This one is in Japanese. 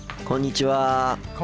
こんにちは。